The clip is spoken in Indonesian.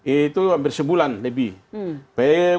itu hampir sebulan lebih